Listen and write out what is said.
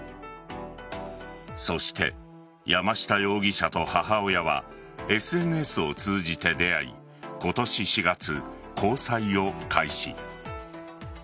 そして山下容疑者と母親はＳＮＳを通じて出会い今年４月、交際を開始。